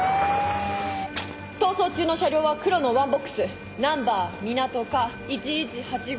逃走中の車両は黒のワンボックスナンバー「みなとか１１−８５」。